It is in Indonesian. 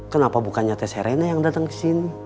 kenapa bukannya tess herena yang dateng kesini